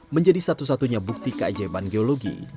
menjadi satu satunya bukti keajaiban geologi